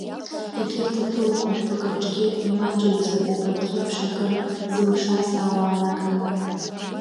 Егьырҭ атәылақәа жәпак рыҿгьы имаҷҩӡам убарҭ реиԥш акыр зылшаз ауаа нагақәа.